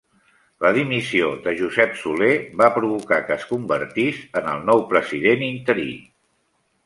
La dimissió de Josep Soler va provocar que es convertís en el nou president interí.